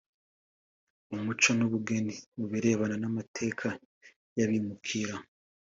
umuco n’ubugeni mu birebana n’amateka y’abimukira